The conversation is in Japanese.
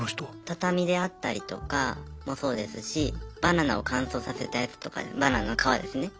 畳であったりとかもそうですしバナナを乾燥させたやつとかでバナナの皮ですね。